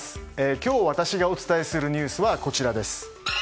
今日、私がお伝えするニュースはこちらです。